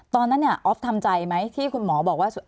ตอนนั้นเนี่ยออฟทำใจไหมที่คุณหมอบอกว่า